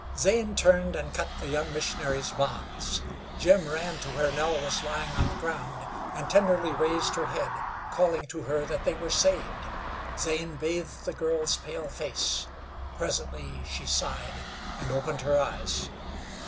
Zane turned and cut the young missionary's bonds. Jim ran to where Nell was lying on the ground, and tenderly raised her head, calling to her that they were saved. Zane bathed the girl's pale face. Presently she sighed and opened her eyes.